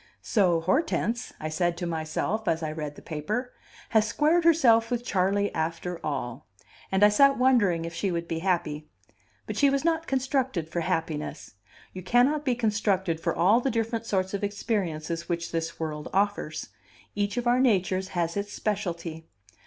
"So Hortense," I said to myself as I read the paper, "has squared herself with Charley after all." And I sat wondering if she would be happy. But she was not constructed for happiness. You cannot be constructed for all the different sorts of experiences which this world offers: each of our natures has its specialty.